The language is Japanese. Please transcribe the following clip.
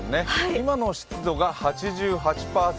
今の湿度が８８％。